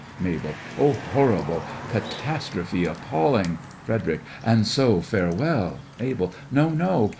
MABEL: Oh, horrible! catastrophe appalling! FREDERIC: And so, farewell! MABEL: No, no!